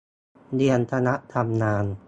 เรียนคณะทำงาน